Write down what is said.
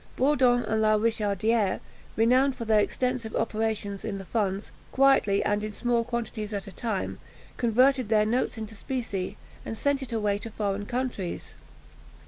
Bourdon and La Richardière, renowned for their extensive operations in the funds, quietly and in small quantities at a time, converted their notes into specie, and sent it away to foreign countries.